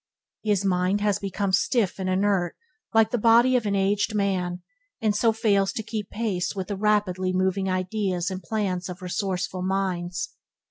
His mind has become stiff and inert like the body of an aged man, and so fails to keep pace with the rapidly moving ideas and plans of resourceful minds.